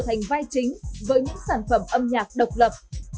thành vai chính với những sản phẩm âm nhạc độc lập